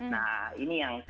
nah ini yang